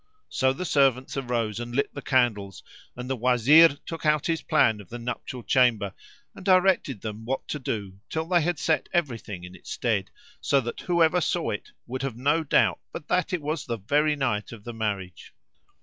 So the servants arose and lit the candles; and the Wazir took out his plan of the nuptial chamber, and directed them what to do till they had set everything in its stead, so that whoever saw it would have no doubt but it was the very night of the marriage.